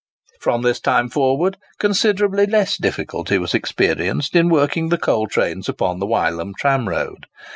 From this time forward considerably less difficulty was experienced in working the coal trains upon the Wylam tramroad.